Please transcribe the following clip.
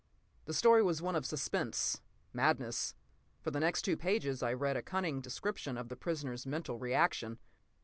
The story was one of suspense, madness. For the next two pages I read a cunning description of the prisoner's mental reaction.